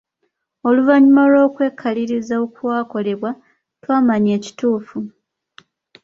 "Oluvannyuma lw’okwekaliriza okwakolebwa, twamanya ekituufu. "